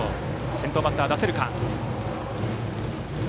先頭バッターを出せるか。